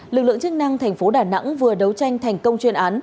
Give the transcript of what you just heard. lực lượng chức năng tp đà nẵng vừa đấu tranh thành công chuyên án